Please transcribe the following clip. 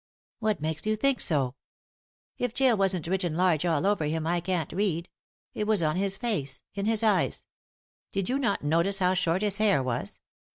" What makes you think so ?"" If jail wasn't written large all over him I can't read. It was on his face ; in his eyes. Did you not notice how short his hair was